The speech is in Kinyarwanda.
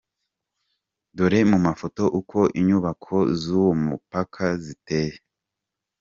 Dore mu mafoto uko inyubako z’uwo mupaka ziteye.